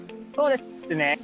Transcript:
そうですね。